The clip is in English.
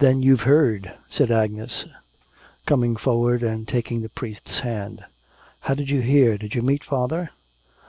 'Then you've heard,' said Agnes, coming forward and taking the priest's hand. 'How did you hear? Did you meet father?'